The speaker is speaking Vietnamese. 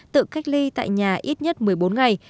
tự cách ly tại nhà ít nhất một mươi bốn ngày